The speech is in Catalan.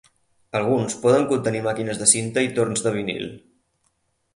Alguns poden contenir màquines de cinta i torns de vinil.